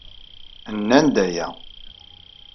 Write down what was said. Nenna-d aya.